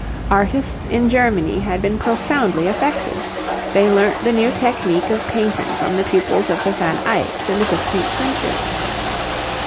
Artists in Germany had been profoundly affected. They learnt the new technique of painting from the pupils of the Van Eycks in the fifteenth century.